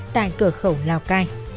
tại cửa khẩu lào cai